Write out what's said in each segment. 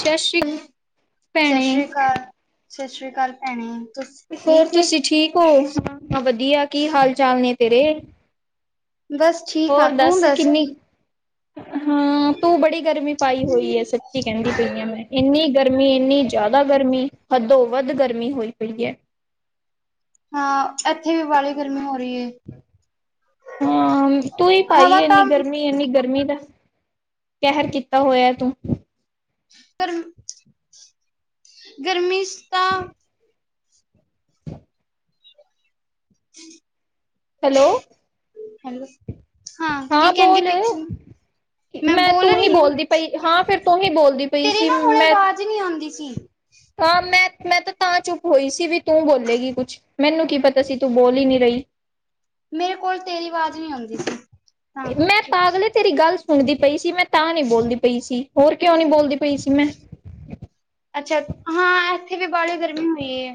ਸਤਿ ਸ਼੍ਰੀ ਅਕਾਲ ਸਤਿ ਭੈਣੇ ਸ੍ਰੀ ਅਕਾਲ ਸਤਿ ਸ੍ਰੀ ਅਕਾਲ ਭੈਣੇ, ਤੁਸੀ ਹੋਰ ਠੀਕ ਏ? ਤੁਸੀਂ ਠੀਕ ਹੋ ਹਾਂ, ਹਾਂ ਵਧੀਆ ਕੀ, ਹਾਲ ਚਾਲ ਨੇ ਤੇਰੇ? ਬਸ, ਠੀਕ ਆ, ਹੋਰ ਤੂੰ ਦੱਸ ਕਿੰਨੀ ਕੀ? ਹਾਂ ਤੂੰ ਬੜੀ ਗਰਮੀ ਪਾਈ ਹੋਈ ਹੈ, ਸੱਚੀ ਕਹਿੰਦੀ ਪਈ ਆ ਮੈਂ ਇੰਨੀ ਗਰਮੀ ਇੰਨੀ ਜ਼ਿਆਦਾ ਗਰਮੀ ਹੱਦੋ ਵੱਧ ਗਰਮੀ ਹੋਈ ਪਈ ਹੈ। ਹਾਂ ਇੱਥੇ ਵੀ ਬਾਹਲੀ ਗਰਮੀ ਹੋ ਰਹੀ ਹੈ। ਹਾਂ, ਤੂੰ ਹੀ ਪਾਈ ਹਵਾ ਤਾਂ ਇੰਨੀ ਗਰਮੀ ਇਨੀ ਗਰਮੀ ਦਾ, ਕਹਿਰ ਕੀਤਾ ਹੋਇਆ ਤੂੰ, ਪਰ, ਗਰਮੀ ਤਾਂ, [unintelligible] [unintelligible] ਹੈਲੋ, ਹੈਲੋ ਹਾਂ ਕੀ ਕਹਿੰਦੀ ਪਿਕਚਰ ਨੂੰ ਮੈਂ ਤੂੰ ਹੀ ਬੋਲਦੀ ਪਈ, ਹਾਂ ਫਿਰ ਤੂੰ ਹੀ ਬੋਲਦੀ ਪਈ ਸੀ ਮੈਂ, ਕੋਈ ਨੀ ਆਉਂਦੀ ਸੀ। ਹਾਂ, ਮੈਂ ਮੈਂ ਤਾਂ-ਤਾਂ ਚੁੱਪ ਹੋਈ ਸੀ ਵੀ ਤੂੰ ਬੋਲੇਗੀ ਕੁਛ ਮੈਨੂੰ ਕੀ ਪਤਾ ਸੀ, ਤੂੰ ਬੋਲ ਹੀ ਨਹੀਂ ਰਹੀ। ਮੇਰੇ ਕੋਲ ਤੇਰੀ ਆਵਾਜ਼ ਨਹੀਂ ਆਉਂਦੀ ਸੀ। ਤਾਂ ਕਰਕੇ ਮੈਂ ਚੁੱਪ ਪਾਗਲੇ ਤੇਰੀ ਗੱਲ ਸੁਣਦੀ ਪਈ ਸੀ, ਮੈਂ ਤਾਂ ਨਹੀਂੀ ਬੋਲਦੀ ਪਈ ਸੀ ਹੋਰ ਕਿਉਂ ਨੀ ਬੋਲਦੀ ਪਈ ਸੀ ਮੈਂ, ਅੱਛਾ ਹਾਂ ਇੱਥੇ ਵੀ ਬਾਹੀ ਗਰਮੀ ਹੋਈ ਹੈ।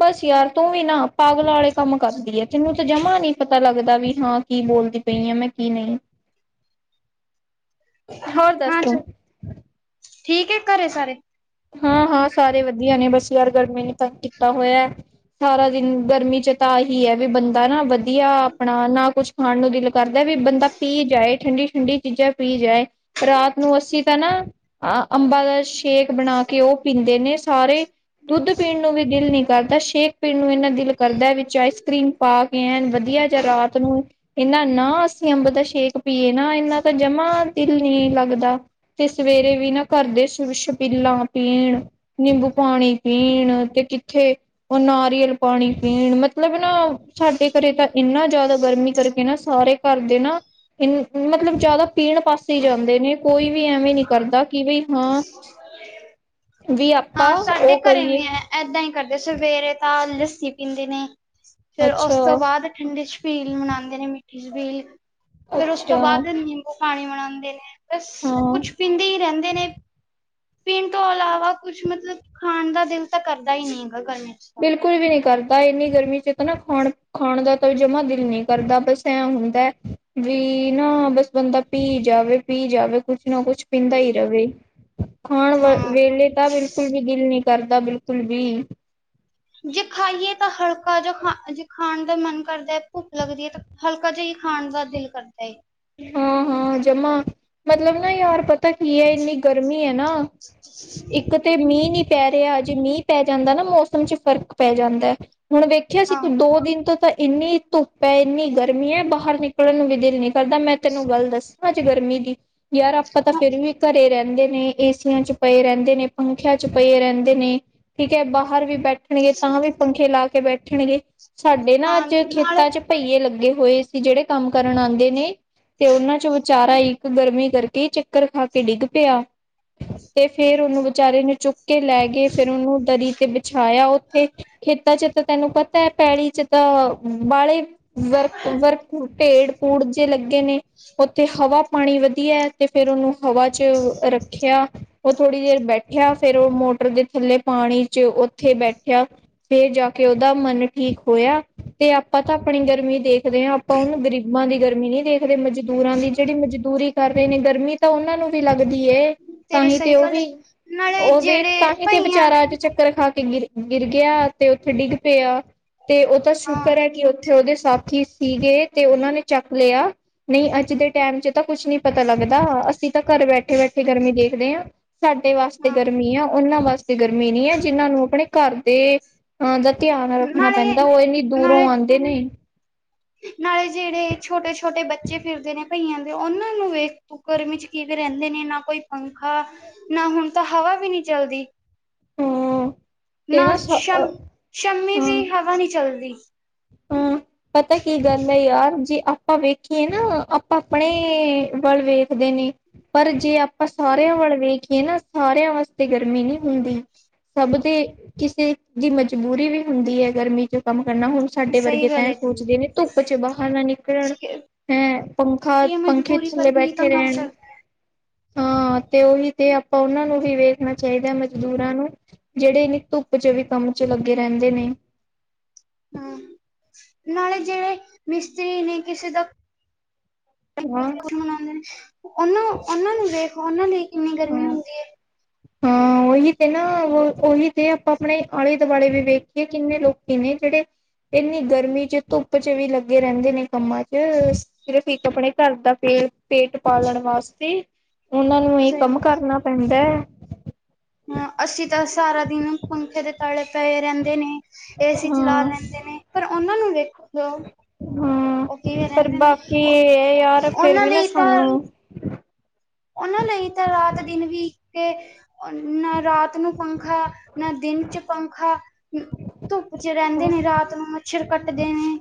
ਬਸ ਯਾਰ ਤੂੰ ਵੀ ਨਾ ਪਾਗਲਾ ਵਾਲੇ ਕੰਮ ਕਰਦੀ ਹੈ, ਤੈਨੂੰ ਤਾਂ ਜਮਾ ਨੀ ਪਤਾ ਲੱਗਦਾ ਵੀ ਹਾਂ। ਕੀ ਬੋਲਦੀ ਪਈ ਆ ਮੈਂ ਕੀ ਨਹੀਂ, [unintelligible] ਹੋਰ ਦੱਸ ਹਾਂ ਤੂੰ। ਚਲ ਠੀਕ ਹੈ, ਘਰੇ ਸਾਰੇ ਹਾਂ- ਹਾਂ ਸਾਰੇ ਵਧੀਆ ਨੇ, ਬਸ ਯਾਰ ਗਰਮੀ ਨੇ ਤੰਗ ਕੀਤਾ ਹੋਇਆ। ਸਾਰਾ ਦਿਨ ਗਰਮੀ ਚ ਤਾਂ ਇਹੀ ਹੈ ਵੀ ਬੰਦਾ ਨਾ ਵਧੀਆ ਆਪਣਾ ਨਾ ਕੁਛ- ਖਾਣ ਨੂੰ ਦਿਲ ਕਰਦਾ ਵੀ ਬੰਦਾ ਪੀ ਜਾਏ ਠੰਡੀ- ਠੰਡੀ ਚੀਜ਼ਾਂ ਪੀ ਜਾਏ ਰਾਤ ਨੂੰ ਅਸੀਂ ਤਾਂ ਨਾ, ਅ ਅੰਬਾਂ ਦਾ ਸ਼ੇਕ ਬਣਾ ਕੇ ਉਹ ਪੀਂਦੇ ਨੇ ਸਾਰੇ ਦੁੱਧ ਪੀਣ ਨੂੰ ਵੀ ਦਿਲ ਨੀ ਕਰਦਾ, ਸ਼ੇਕ ਪੀਣ ਨੂੰ ਇੰਨਾ ਦਿਲ ਕਰਦਾ ਵਿੱਚ ਆਈਸ ਕਰ੍ਰੀਮ ਪਾ ਕੇ ਐ ਵਧੀਆ ਚ ਰਾਤ ਨੂੰ ਇਹਨਾ ਨਾ ਅਸੀਂ ਅੰਬ ਦਾ ਸ਼ੇਕ ਪੀਏ ਨਾ ਇੰਨਾ ਤਾਂ ਜਮਾ ਦਿਲ ਨਹੀਂ ਲੱਗਦਾ। ਤੇ ਸਵੇਰੇ ਵੀ ਨਾ ਘਰ ਦੇ ਛਪੀਲਾਂ ਪੀਣ ਨਿੰਬੂ ਪਾਣੀ ਪੀਣ ਤੇ ਕਿੱਥੇ ਉਹ ਨਾਰੀਅਲ ਪਾਣੀ ਪੀਣ ਮਤਲਬ ਨਾ ਸਾਡੇ ਘਰੇ ਤਾਂ ਇੰਨਾ ਜ਼ਿਆਦਾ ਗਰਮੀ ਕਰਕੇ ਨਾ ਸਾਰੇ, ਕਰਦੇ ਨਾ, ਇ ਮਤਲਬ ਜ਼ਿਆਦਾ ਪੀਣ ਪਾਸੇ ਜਾਂਦੇ, ਨੇ ਕੋਈ ਵੀ ਐਵੇਂ ਨਹੀਂ ਕਰਦਾ ਕਿ ਬਈ ਹਾਂ। ਵੀ ਆਪਾਂ ਹਾਂ ਸਾਡੇ ਉਹ ਘਰੇ ਕਰੀਏ ਵੀ ਹੈ। ਇਏਦਾਂ ਹੀ ਕਰਦੇ ਸਵੇਰੇ ਤਾਂ ਲੱਸੀ ਪੀਂਦੇ ਨੇ ਫੇਰ ਉਸ ਤੋਂ ਅੱਛਾ ਬਾਅਦ ਠੰਡੇ ਛਪੀਲ ਮਨਾਉਂਦੇ, ਨੇ ਮਿੱਠੀ ਛਪੀਲ ਫੇਰ ਉਸ ਤੋਂ ਅੱਛਾ ਬਾਅਦ ਉਹ ਪਾਣੀ ਬਨਾਉਂਦੇ ਨੇ। ਬਸ ਹਾਂ ਕੁਛ ਪੀਂਦੇ ਹੀ ਰਹਿੰਦੇ ਨੇ ਪੀਣ ਤੋਂ ਇਲਾਵਾ ਕੁਛ ਮਤਲਬ ਖਾਣ ਦਾ ਦਿਲ ਤਾਂ ਕਰਦਾ ਹੀ ਨਹੀ ਹੈਗਾ ਗਰਮੀ ਚ ਤਾਂ ਬਿਲਕੁਲ ਵੀ ਨਹੀਂ ਕਰਦਾ ਇੰਨੀ ਗਰਮੀ ਚ ਤਾਂ ਨਾ ਖਾਣ, ਖਾਣ ਦਾ ਤਾਂ ਜਮਾ ਦਿਲ ਨਹੀਂ ਕਰਦਾ ਬਸ ਐ ਹੁੰਦਾ ਵੀ ਨਾ ਬਸ ਬੰਦਾ ਪੀ ਜਾਵੇ ਪੀ ਜਾਵੇ ਕੁਛ ਨਾ ਕੁਛ ਪੀਂਦਾ ਹੀ ਰਹੇ ਖਾਣ ਵ ਹਾਂ ਵੇਲੇ ਤਾਂ ਬ ਫਿਰ ਵੀ ਦਿਲ ਨੀ ਕਰਦਾ ਬਿਲਕੁਲ ਵੀ ਜੇ ਖਾਈਏ ਤਾਂ ਹਲਕਾ ਜਾ ਖਾ ਜੇ ਖਾਣ ਦਾ ਮਨ ਕਰਦਾ ਭੁੱਖ ਲੱਗਦੀ ਹੈ ਤੇ ਹਲਕਾ ਜਿਹੀ ਖਾਣ ਦਾ ਦਿਲ ਕਰਦਾ ਏ। ਹਾਂ -ਹਾਂ ਜਮਾ, ਮਤਲਬ ਨਾ ਯਾਰ ਪਤਾ ਕੀ ਹੈ ਇੰਨੀ ਗਰਮੀ ਹੈ ਨਾ ਦਿਲ ਨਹੀਂ ਕਰਦਾ ਬਿਲਕੁਲ ਵੀ ਇੱਕ ਤੇ ਮੀਂਹ ਨੀ ਪੈ ਰਿਹਾ ਜੇ ਮੀਂਹ ਪੈ ਜਾਂਦਾ ਨਾ ਮੌਸਮ ਚ ਫ਼ਰਕ ਪੈ ਜਾਂਦਾ ਹੁਣ ਦੇਖ ਸਿਰਫ ਹਾਂ ਦੋ ਦਿਨ ਤੋਂ ਤਾਂ ਇੰਨੀ ਧੁੱਪ ਹੈ ਇੰਨੀ ਗਰਮੀ ਹੈ ਬਾਹਰ ਨਿਕਲਣ ਨੂੰ ਵੀ ਦਿਲ ਨਹੀ ਕਰਦਾ ਮੈਂ ਤੈਨੂੰ ਗੱਲ ਦੱਸਾਂ ਅੱਜ ਗਰਮੀ ਦੀ, ਯਾਰ ਆਪਾਂ ਤਾਂ ਫਿਰ ਵੀ ਘਰੇ ਰਹਿੰਦੇ ਨੇ ਏਸੀਆਂ ਚ ਪਏ ਰਹਿੰਦੇ ਨੇ, ਪੰਖਿਆਂ ਚ ਪਏ ਰਹਿੰਦੇ ਨੇ ਠੀਕ ਹੈ ਬਾਹਰ ਵੀ ਬੈਠਣਗੇ ਤਾਂ ਵੀ ਪੰਖੇ ਲਾ ਕੇ ਬੈਠਣਗੇ ਸਾਡੇ ਨਾ ਹਾਂ ਅੱਜ ਨਾਲੇ ਖੇਤਾਂ ਚ ਬਹੀਏ ਲੱਗੇ ਹੋਏ ਸੀ ਜਿਹੜੇ ਕੰਮ ਕਰਨ ਆਉਂਦੇ ਨੇ ਤੇ ਉਹਨਾਂ ਚ ਵਿਚਾਰਾ ਇਕ ਗਰਮੀ ਕਰਕੇ ਚੱਕਰ ਖਾ ਕੇ ਡਿੱਗ ਪਿਆ ਤੇ ਫੇਰ ਉਹਨੂੰ ਵਿਚਾਰੇ ਨੂੰ ਚੁੱਪ ਕੇ ਲੈ ਗਏ ਫਿਰ ਉਹਨੂੰ ਦਰੀ ਤੇ ਬਿਛਾਇਆ ਉੱਥੇ ਖੇਤਾਂ ਚ ਤੈਨੂੰ ਪਤਾ ਹੈ ਪੈਲੀ ਚ ਤਾਂ ਵਾਲੇ ਵਰਕ -ਵਰਕ ਢੇੜ ਪੂੜ ਲੱਗੇ ਨੇ ਉੱਥੇ ਹਵਾ ਪਾਣੀ ਵਧੀਆ ਤੇ ਫਿਰ ਉਹਨੂੰ ਹਵਾ ਚ ਰੱਖ ਰੱਖਿਆ ਉਹ ਥੋੜ੍ਹੀ ਦੇਰ ਬੈਠਿਆ ਫਿਰ ਉਹ ਮੋਟਰ ਦੇ ਥੱਲੇ ਪਾਣੀ ਚ ਉੱਥੇ ਬੈਠਿਆ ਫੇਰ ਜਾ ਕੇ ਉਹਦਾ ਮਨ ਠੀਕ ਹੋਇਆ ਤੇ ਆਪਾਂ ਤਾਂ ਆਪਣੀ ਗਰਮੀ ਦੇਖਦੇ ਹਾਂ ਆਪਾਂ ਉਹਨੂੰ ਗ਼ਰੀਬਾਂ ਦੀ ਗਰਮੀ ਗਰਮੀ ਨਹੀ ਦੇਖਦੇ ਮਜ਼ਦੂਰਾਂ ਦੀ ਜਿਹੜੀ ਮਜ਼ਦੂਰੀ ਕਰ ਰਹੇ ਨੇ ਗਰਮੀ ਤਾਂ ਉਹਨਾਂ ਨੂੰ ਵੀ ਲੱਗਦੀ ਤੇਰੀ ਤਾਂਹੀ ਤੇ ਸਹੀ ਉਹ ਗੱਲ ਹੈ ਵੀ ਨਾਲੇ ਉਹ ਵੀ ਜਿਹੜੇ ਤਾਂਹੀ ਤੇ ਭਈਆਂ ਵਿਚਾਰਾ ਅੱਜ ਚੱਕਰ ਖਾ ਕੇ ਗਿਰੇ ਗਿਰ ਗਿਆ ਤੇ ਉੱਥੇ ਡਿੱਗ ਪਿਆ ਤੇ ਉਹ ਤਾਂ ਹਾਂ ਸ਼ੁਕਰ ਹੈ ਕਿ ਜਿੱਥੇ ਉਹਦੇ ਸਾਥੀ ਸੀਗੇ ਤੇ ਉਹਨਾਂ ਨੇ ਚੱਕ ਨਹੀਂ ਅੱਜ ਦੇ ਟਾਈਮ ਚ ਤਾਂ ਕੁੱਛ ਨੀ ਪਤਾ ਲੱਗਦਾ ਅਸੀਂ ਤਾਂ ਘਰ ਬੈਠੇ- ਬੈਠੇ ਗਰਮੀ ਦੇ ਦੇ ਹਾਂ ਸਾਡੇ ਵਾਸਤੇ ਹਾਂ ਗਰਮੀ ਆ ਉਹਨਾਂ ਵਾਸਤੇ ਗਰਮੀ ਨੀ ਹੈ ਜਿਹਨਾਂ ਨੂੰ ਆਪਣੇ। ਘਰ ਦੇ ਅਹ ਦਾ ਧਿਆਨ ਰੱਖਣਾ ਨਾਲੇ ਪੈਂਦਾ ਉਹ ਇੰਨੀ ਦੂਰੋਂ ਨਾਲੇ ਆਉਂਦੇ ਨੇ ਨਾਲੇ ਜਿਹੜੇ ਛੋਟੇ ਛੋਟੇ ਬੱਚੇ ਫਿਰਦੇ ਨੇ ਕਈਆਂ ਦੇ ਉਹਨਾਂ ਨੂੰ ਵੇਖ ਗਰਮੀ ਚ ਕੀਵੇ ਰਹਿੰਦੇ ਨੇ ਨਾ ਕੋਈ ਪੰਖਾ ਨਾ ਹੁਣ ਤਾਂ ਹਵਾ ਵੀ ਨਹੀ ਚਲਦੀ ਹਾਂ। ਤੇ ਨਾ ਸ਼ ਹਾਂ ਸ਼ਮੀ ਵੀ ਹਵਾ ਨੀ ਚੱਲਦੀ ਹਮ, ਪਤਾ ਕੀ ਗੱਲ ਹੈ ਯਾਰ ਜੀ ਆਪਾਂ ਵੇਖੀਏ ਨਾ ਆਪਾਂ ਆਪਣੇ ਵੱਲ ਵੇਖਦੇ ਨੇ ਪਰ ਜੇ ਆਪਾਂ ਸਾਰਿਆਂ ਵੱਲ ਵੇਖੀਏ ਨਾ ਸਾਰਿਆਂ ਵਾਸਤੇ ਗਰਮੀ ਨਹੀਂ ਹੁੰਦੀ ਸਭ ਦੇ ਕਿਸੇ ਦੀ ਮਜਬੂਰੀ ਵੀ ਹੁੰਦੀ ਹੈ ਗਰਮੀ ਚ ਕੰਮ ਕਰਨਾ ਸਾਡੇ ਵਰਗੇ ਸਹੀ ਤਾਂ ਗੱਲ ਇਹ ਹੈ ਤੇਰੀ ਸੋਚਦੇ ਨੇ ਧੁੱਪ ਚ ਬਾਹਰ ਨਾ ਨਿਕਲਣ ਹੈਂ ਪੰਖਾ ਇਹ ਪੰਖੇ ਮਜਬੂਰੀ ਥੱਲੇ ਕਰਕੇ ਹੀ ਤਾਂ ਬੈਠੇ ਕੰਮ ਰਹਿਣ [inaudible] ਹਾਂ ਤੇ ਉਹੀ ਤੇ ਆਪਾਂ ਉਹਨਾਂ ਨੂੰ ਵੀ ਵੇਖਣਾ ਚਾਹੀਦਾ ਮਜ਼ਦੂਰਾਂ ਨੂੰ ਜਿਹੜੇ ਇੰਨੀ ਧੁੱਪ ਚ ਵੀ ਕੰਮ ਚ ਲੱਗੇ ਰਹਿੰਦੇ ਨੇ ਹਮ ਨਾਲੇ ਜਿਹੜੇ ਮਿਸਤਰੀ ਨੇ ਕਿਸੇ ਦਾ ਹਮ ਉਂ ਉਹਨਾਂ ਉਹਨਾਂ ਨੂੰ ਵੇਖ ਉਹਨਾਂ ਲਈ ਕਿੰਨੀ ਗਰਮੀ ਹਾਂ ਹੁੰਦੀ ਹੈ ਹਾਂ ਉਹੀ ਤੇ ਨਾ ਉਹੀ ਤੇ ਆਪਾਂ ਆਪਣੇ ਆਲੇ ਦੁਆਲੇ ਵੀ ਵੇਖੀਏ ਕਿੰਨੇ ਲੋਕੀ ਨੇ ਜਿਹੜੇ। ਇੰਨੀ ਗਰਮੀ ਚ ਧੁੱਪ ਚ ਵੀ ਲੱਗੇ ਰਹਿੰਦੇ ਨੇ ਕੰਮਾਂ ਚ ਫਿਰ ਸਿਰਫ ਇੱਕ ਆਪਣੇ ਘਰ ਦਾ ਫੇਰ ਪੇਟ ਪਾਲਣ ਵਾਸਤੇ ਉਹਨਾਂ ਨੂੰ ਇਹ ਸਹੀ ਕੰਮ ਕਰਨਾ ਪੈਂਦਾ ਹੈ ਹਾਂ ਅਸੀਂ ਤਾਂ ਸਾਰਾ ਦਿਨ ਪੰਖੇ ਦੇ ਤਾਲੇ ਪਏ ਰਹਿੰਦੇ ਨੇ ਏਸੀ ਚਲਾ ਹਾਂ ਲੈਂਦੇ ਨੇ ਪਰ ਉਹਨਾਂ ਨੂੰ ਵਖ ਹੈਲੋ ਹਾਂ ਉਹ ਕਿਵੇ ਪਰ ਰਹਿੰਦੇ ਨੇ ਬਾਕੀ ਇਹ ਯਾਰ ਫਿਰ ਉਹਨਾਂ ਵੀ ਨਾ ਲਈ ਤਾਂ ਸਾਨੂੰ ਉਹਨਾਂ ਲਈ ਤਾਂ ਰਾਤ ਦਿਨ ਵੀ ਇੱਕ ਨਾ ਰਾਤ ਨੂੰ ਪੰਖਾ ਨਾ ਦਿਨ ਚ ਪੰਖਾ ਧੁੱਪ ਚ ਰਹਿੰਦੇ ਨੇ ਰਾਤ ਨੂੰ ਮੱਛਰ ਕੱਟਦੇ ਨੇ।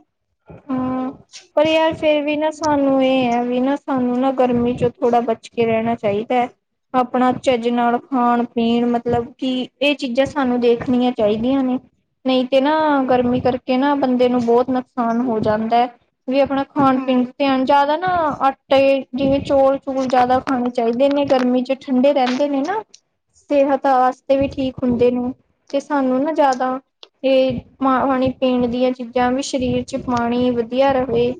ਹਾਂ ਪਰ ਯਾਰ ਫਿਰ ਵੀ ਨਾ ਸਾਨੂੰ ਇਹ ਹੈ ਵੀ ਨਾ ਸਾਨੂੰ ਨਾ ਗਰਮੀ ਚ ਥੋੜਾ ਬਚ ਕੇ ਰਹਿਣਾ ਚਾਹੀਦਾ ਹੈ ਆਪਣਾ ਝੱਜ ਨਾਲ ਖਾਣ ਪੀਣ ਮਤਲਬ ਕਿ ਇਹ ਚੀਜ਼ਾਂ ਸਾਨੂੰ ਦੇਖਣੀਆਂ ਚਾਹੀਦੀਆਂ ਨੇ ਨਹੀਂ ਤੇ ਨਾ ਗਰਮੀ ਕਰਕੇ ਨਾ ਬੰਦੇ ਨੂੰ ਬਹੁਤ ਨੁਕਸਾਨ ਹੋ ਜਾਂਦਾ ਵੀ ਆਪਣਾ ਖਾਣ ਹਮ ਪੀਣ ਜਿਆਦਾ ਨਾ ਆਟੇ ਜਿਵੇਂ ਚੋਲ ਚੂਲ ਜਿਆਦਾ ਖਾਣੇ ਚਾਹੀਦੇ ਨੇ ਗਰਮੀ ਚ ਠੰਡੇ ਰਹਿੰਦੇ ਨੇ ਨਾ ਸਿਹਤ ਵਾਸਤੇ ਵੀ ਠੀਕ ਹੁੰਦੇ ਨੇ ਤੇ ਸਾਨੂੰ ਨਾ ਜ਼ਿਆਦਾ ਤੇ ਪਾਣੀ ਪੀਣ ਦੀਆਂ ਚੀਜ਼ਾਂ ਵੀ ਸਰੀਰ ਚ ਪਾਣੀ ਵੀ ਵਧੀਆ ਰਹੇ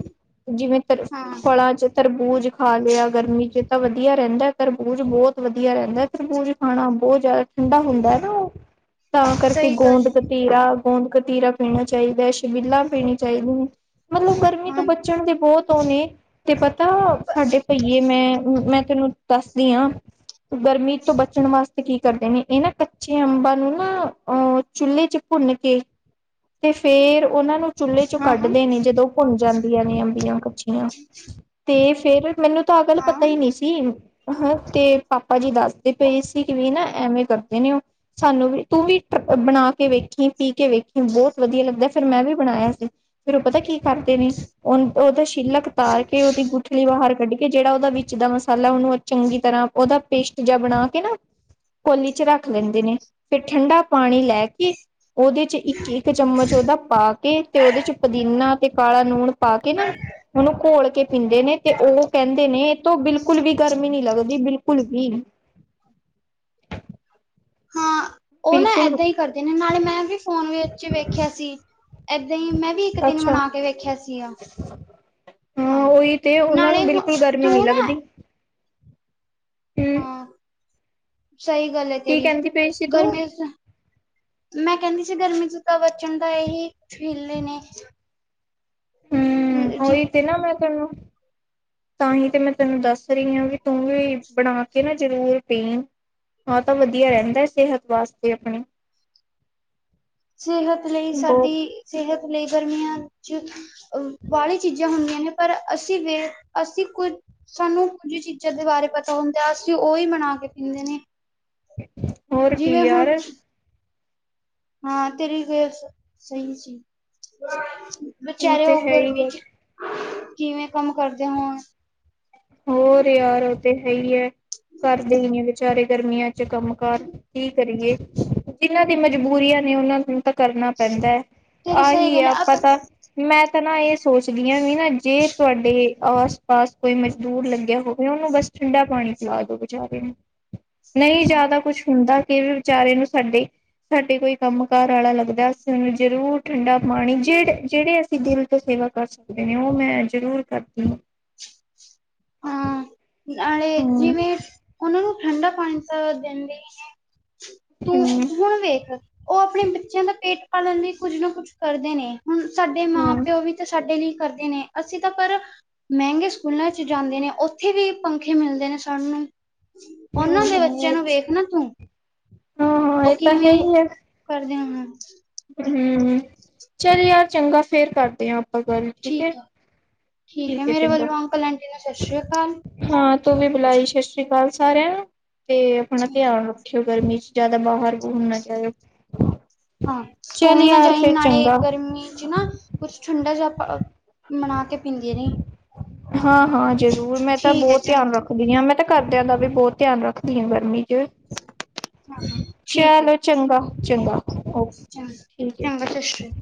ਜਿਵੇਂ ਤ ਹਾਂ ਫਲਾਂ ਚ ਤਰਬੂਜ ਖਾ ਲਿਆ ਗਰਮੀ ਚ ਤਾਂ ਵਧੀਆ ਰਹਿੰਦਾ ਤਰਬੂਜ ਬਹੁਤ ਵਧੀਆ ਰਹਿੰਦਾ ਤਰਬੂਜ ਖਾਣਾ ਬਹੁਤ ਜ਼ਿਆਦਾ ਠੰਡਾ ਹੁੰਦਾ ਹੈ ਨਾ ਉਹ ਤਾਂ ਕਰਕੇ ਸਹੀ ਗੱਲ ਗੋਂਦ ਹੈ ਕਤੀਰਾ ਗੋਂਦ ਕਤੀਰਾ ਪੀਣਾ ਚਾਹੀਦਾ ਛਬੀਲਾਂ ਪੀਣੀ ਚਾਹੀਦੀਆਂ ਮਤਲਬ ਗਰਮੀ ਤੋਂ ਹਾਂ ਬਚਣ ਦੇ ਬਹੁਤ ਉਹ ਨੇ ਤੇ ਪਤਾ ਸਾਡੇ ਭਈਏ ਮੈਂ ਮੈਂ ਤੈਨੂੰ ਦੱਸਦੀ ਹਾਂ ਗਰਮੀ ਤੋਂ ਬਚਣ ਵਾਸਤੇ ਕੀ ਕਰਦੇ ਨੇ ਇਹ ਨਾ ਕੱਚੇ ਅੰਬਾਂ ਨੂੰ ਨਾ ਅਹ ਚੁੱਲ੍ਹੇ ਚ ਭੁੰਨ ਕੇ ਤੇ ਫਿਰ ਉਹਨਾਂ ਨੂੰ ਚੁੱਲ੍ਹੇ ਚੋਂ ਹਾਂ ਹਾਂ ਕੱਢਦੇ ਨੇ ਜਦੋਂ ਭੁੰਨ ਜਾਂਦੀਆਂ ਨੇ ਅੰਬੀਆਂ ਕੱਚੀਆਂ ਤੇ ਫਿਰ ਮੈਨੂੰ ਤਾਂ ਅ ਗੱਲ ਹਾਂ ਪਤਾ ਹੀ ਨਹੀਂ ਸੀ ਹਾਂ ਤੇ ਪਾਪਾ ਜੀ ਦੱਸਦੇ ਪਏ ਸੀ ਕਿ ਵੀ ਨਾ ਐਵੇ ਕਰਦੇ ਨੇ ਉਹ ਸਾਨੂੰ ਵੀ ਤੂੰ ਵੀ ਬਣਾ ਕੇ ਵੇਖ ਤੂੰ ਪੀ ਕੇ ਵੇਖੀ ਬਹੁਤ ਵਧੀਆ ਲੱਗਦਾ ਫਿਰ ਮੈਂ ਵੀ ਬਣਾਇਆ ਸੀ ਫਿਰ ਉਹ ਪਤਾ ਕੀ ਕਰਦੇ ਨੇ ਉਹ ਉਹਦਾ ਛਿੱਲਕਤਾਰ ਕੇ ਉਹਦੀ ਗੁਠਲੀ ਬਾਹਰ ਕੱਢੀ ਕਿ ਜਿਹੜਾ ਉਹਦਾ ਵਿੱਚ ਦਾ ਮਸਾਲਾ ਉਹਨੂੰ ਚੰਗੀ ਤਰ੍ਹਾਂ ਉਹਦਾ ਪੇਸਟ ਜ ਬਣਾ ਕੇ ਨਾ ਕੋਲੀ ਚ ਰੱਖ ਲੈਂਦੇ ਨੇ ਫਿਰ ਠੰਡਾ ਪਾਣੀ ਲੈ ਕੇ ਉਹਦੇ ਚ ਇੱਕ ਇੱਕ ਚਮਚ ਉਹਦਾ ਪਾ ਕੇ ਤੇ ਉਹਦੇ ਚ ਪੁਦੀਨਾ ਤੇ ਕਾਲਾ ਲੂਣ ਪਾ ਕੇ ਨਾ ਉਹਨੂੰ ਘੋਲ ਕੇ ਪੀਂਦੇ ਨੇ ਤੇ ਉਹ ਕਹਿੰਦੇ ਨੇ ਇਹ ਤ ਬਿਲਕੁਲ ਵੀ ਗਰਮੀ ਨਹੀਂ ਲੱਗਦੀ ਬਿਲਕੁਲ ਵੀ ਹਾਂ ਉਹ ਨਾ ਬਿਲਕੁਲ ਏਦਾਂ ਹੀ ਕਰ ਨੇ ਨਾਲੇ ਮੈਂ ਵੀ ਫੋਨ ਵਿੱਚ ਵੇਖਿਆ ਸੀ ਇਦਾਂ ਹੀ ਮੈਂ। ਵੀ ਇੱਕ ਦਿਨ ਅੱਛਾ ਮਨਾ ਕੇ ਵੇਖਿਆ ਸੀਗਾ। ਹਾਂ ਉਹੀ ਤੇ ਉਹਨਾਂ ਨਾਲੇ ਨੂੰ ਬਿਲਕੁਲ ਗਰਮੀ ਤੂੰ ਨਹੀਂ ਨਾ। ਲੱਗਦੀ ਹੂੰ ਹਾਂ ਸਹੀ ਗੱਲ ਹੈ ਕੀ ਤੇਰੀ ਕਹਿੰਦੀ ਪਈ ਸੀ ਤੂੰ ਗਰਮੀਆਂ। ਮੈਂ ਕਹਿੰਦੀ ਸੀ ਗਰਮੀ ਤੋਂ ਤਾਂ ਬਚਣ ਦਾ ਇਹੀ ਹੀਲੇ ਨੇ ਹੂੰ ਹੂ ਜੀ ਉਹੀ ਤੇ ਨਾ ਮੈਂ ਤਿੰਨੋ ਤਾਂ ਹੀ ਤੇ ਮੈਂ ਤੈਨੂੰ ਦੱਸ ਰਹੀ ਹਾਂ ਵੀ ਤੂੰ ਵੀ ਬਣਾ ਕੇ ਨਾ ਜ਼ਰੂਰ ਪੀਣ ਹਾਂ ਤਾਂ ਵਧੀਆ ਰਹਿੰਦਾ ਸਿਹਤ ਵਾਸਤੇ ਆਪਣੇ ਸਿਹਤ ਲਈ ਬਹੁਤ ਸਾਡੀ ਸਿਹਤ ਲਈ ਗਰਮੀਆਂ ਚ ਅ ਵਾਲੀ ਚੀਜ਼ਾਂ ਹੁੰਦੀਆਂ ਨੇ ਪਰ ਅਸੀਂ ਵੇ ਅਸੀਂ ਕੁਝ ਸਾਨੂੰ ਕੁਝ ਚੀਜ਼ਾਂ ਦੇ ਬਾਰੇ ਪਤਾ ਹੁੰਦਾ ਅਸੀਂ ਉਹੀ ਬਣਾ ਕੇ ਪੀਂਦੇ ਨੇ ਹੋਰ ਕੀ ਜਿਵੇਂ ਯਾਰ ਹੁਣ ਹਾਂ ਤੇਰੀ ਗ ਸਹੀ ਸੀ ਉਹ ਬਚਾਰੇ ਤੇ ਹੋ ਹੈ ਹੀ ਗਰਮੀ ਆ ਚ ਕਿਵੇਂ ਕੰਮ ਕਰਦੇ ਹੋਣ ਹੋਰ ਯਾਰ ਉਹ ਤੇ ਹੈ ਹੀ ਹੈ ਘਰਦੇ ਹੀ ਨੇ ਵਿਚਾਰੇ ਗਰਮੀਆਂ ਤੇ ਕੰਮ ਕਾਰ ਕੀ ਕਰੀਏ ਜਿਨਾਂ ਦੀ ਮਜਬੂਰੀਆਂ ਨੇ ਉਹਨਾਂ ਨੂੰ ਤਾਂ। ਕਰਨਾ ਪੈਂਦਾ ਹੈ ਤੇਰੀ ਸਹੀ ਆਹੀ ਹੈ ਗੱਲ ਆਪਾਂ ਆਪ ਤਾਂ ਮੈਂ ਤਾਂ ਨਾ ਇਸ। ਸੋਚਦੀ ਹਾਂ ਵੀ ਨਾ ਜੇ ਤੁਹਾਡੇ ਆਸ ਪਾਸ ਕੋਈ ਮ। ਦੂਰ ਲੱਗਿਆ ਹੋਵੇ। ਉਹਨੂੰ ਬਸ ਠੰਡਾ ਪਾਣੀ ਪਿਲਾ ਦੋ ਬੇਚਾਰੇ ਨੂੰ। ਨਹੀਂ ਜਿਆਦਾ ਕੁਛ ਹੁੰਦਾ ਕਿਵੇ। ਵਿਚਾਰੇ ਨੂੰ ਸਾਡੇ ਸਾਡੇ ਕੋਈ ਕੰਮ ਕਾਰ ਵਾਲਾ ਲੱਗਦਾ ਨੂੰ ਜਰੂਰ ਠੰਡਾ। ਮਾਣੀ ਜਿਹੜੇ ਜਿਹੜੇ ਅਸੀਂ ਦਿਲ ਤੋਂ ਸੇਵਾ ਕਰ ਸਕਦੇ ਨੇ ਉਹ ਮੈਂ ਜ਼ਰੂਰ ਕਰਦੀ ਹਾਂ। ਹਾਂ ਨਾਲੇ ਹਮ ਜਿਵੇਂ ਉਹਨਾਂ ਨੂੰ ਠੰਡਾ ਪਾਣੀ ਤਾਂ ਦਿੰਦੇ ਹੀ ਤੂੰ ਹਮ ਹੁਣ ਵੇਖ। ਉਹ ਆਪਣੇ ਬੱਚਿਆਂ ਦਾ ਪੇਟ ਪਾਲਣ ਲਈ ਕੁੱਝ ਨਾ ਕੁੱਝ ਕਰਦੇ ਨੇ ਹੁਣ ਸਾਡੇ। ਹਾਂ। ਉਹ ਵੀ ਤਾਂ ਸਾਡੇ ਲਈ ਕਰਦੇ ਨੇ ਅਸੀਂ ਤਾਂ ਪਰ ਮਹਿੰਗੇ ਸਕੂਲਾਂ ਚ। ਚ ਜਾਂਦੇ ਨੇ ਉੱਥੇ ਵੀ ਪੰਖੇ ਮਿਲਦੇ ਨੇ ਸਾਨੂੰ। ਉਹਨਾਂ ਦੇ ਬੱਚਿਆਂ ਹਾਂ ਨੂੰ ਵੇਖ ਨਾ ਤੂੰ ਹਾਂ ਉਹ ਇਹ ਤਾਂ ਕਿਵੇਂ। ਕਰਦੇ ਹਾਂ। ਹਮ ਹਮ ਚੱਲ ਯਾਰ ਚੰਗਾ, ਫੇਰ ਕਰਦੇ ਹਾਂ ਆਪਾਂ ਗੱਲ ਠੀਕ ਹੈ। ਠੀਕ ਹੈ ਮੇਰੇ ਵੱਲੋਂ ਅੰਕਲ ਆਂਟੀ ਨੂੰ ਸਤਿ ਸ਼੍ਰੀ ਅਕਾਲ। ਹਾਂ ਤੂੰ ਵੀ ਬੁਲਾਈ ਸਤਿ ਸ੍ਰੀ ਅਕਾਲ ਸਾਰਿਆਂ ਨੂੰ ਤੇ ਆਪਣਾ ਧਿਆਨ ਰੱਖ। ਗਰਮੀ ਚ ਜ਼ਿਆਦਾ ਬਾਹਰ ਘੁੰਮਣਾ ਨਾ ਜਾਇਉ। ਹਾਂ, ਤੂੰ ਵੀ ਨਾ ਜਾਈ ਨਾਲੇ ਗਰਮੀ ਚ ਨਾ ਕੁਛ ਠੰਡਾ ਜਿਹਾ। ਬਣਾ ਕੇ ਪੀਂਦੀ ਰਹੀ। ਹਾਂ, ਹਾਂ ਜ਼ਰੂਰ ਮੈਂ ਤਾਂ ਠੀਕ ਹੈ ਬਹੁਤ ਧਿਆਨ ਚੰਗਾ ਰੱਖਦੀ ਹਾਂ ਮੈਂ। ਤੇ ਘਰਦਿਆਂ ਦਾ ਵੀ ਬਹੁਤ ਧਿਆਨ ਰੱਖਦੀ ਹ ਗਰਮੀ ਚ। ਹਾਂ ਹਾਂ ਠੀਕ ਹੈ ਚਲੋ, ਚੰਗਾ, ਚੰਗਾ ਓਕੇ ਚੰਗਾ ਠੀਕ ਹੈ। ਚੰਗਾ ਸਤਿ ਸ਼੍ਰੀ